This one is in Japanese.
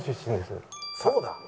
そうだ。